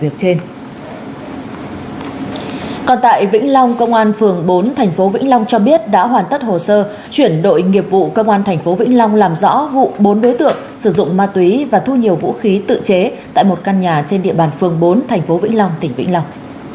còn tại vĩnh long công an phường bốn thành phố vĩnh long cho biết đã hoàn tất hồ sơ chuyển đội nghiệp vụ công an tp vĩnh long làm rõ vụ bốn đối tượng sử dụng ma túy và thu nhiều vũ khí tự chế tại một căn nhà trên địa bàn phường bốn thành phố vĩnh long tỉnh vĩnh long